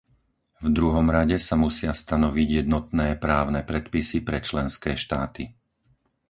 V druhom rade sa musia stanoviť jednotné právne predpisy pre členské štáty.